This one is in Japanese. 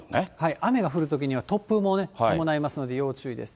雨が降るときには突風も伴いますので、要注意です。